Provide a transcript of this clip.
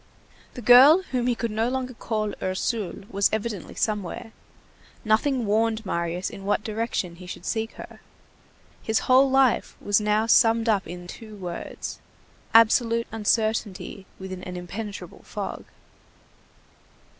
The girl whom he could no longer call Ursule was evidently somewhere; nothing warned Marius in what direction he should seek her. His whole life was now summed up in two words; absolute uncertainty within an impenetrable fog.